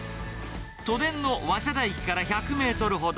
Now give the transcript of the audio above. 都電の早稲田駅から１００メートルほど。